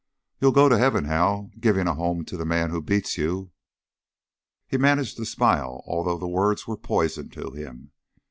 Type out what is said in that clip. "You'll go to heaven, Hal, giving a home to the man who beats you." He managed to smile, although the words were poison to him.